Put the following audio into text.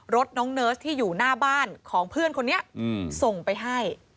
รถน้องเนิร์สที่อยู่หน้าบ้านของเพื่อนคนนี้ส่งไปให้